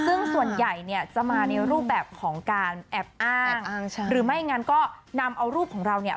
ซึ่งส่วนใหญ่เนี่ยจะมาในรูปแบบของการแอบอ้างหรือไม่งั้นก็นำเอารูปของเราเนี่ย